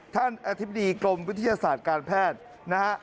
ท่านอธิบดีกรมวิทยาศาสตร์การแพทย์